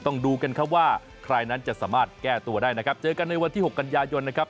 ดูกันครับว่าใครนั้นจะสามารถแก้ตัวได้นะครับเจอกันในวันที่๖กันยายนนะครับ